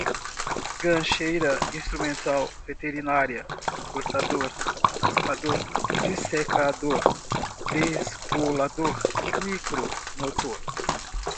gancheira, instrumental, veterinária, cortador, raspador, dissector, descolador, micromotor